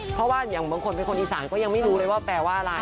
เพราะว่าอย่างบางคนเป็นคนอีสานก็ยังไม่รู้เลยว่าแปลว่าอะไร